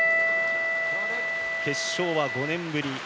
決勝は、５年ぶり。